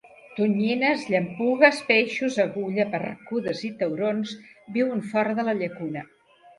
Tonyines, llampugues, peixos agulla, barracudes i taurons viuen fora de la llacuna.